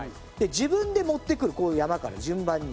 自分で持ってくるこういう山から順番に。